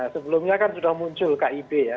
sebelumnya kan sudah muncul kib ya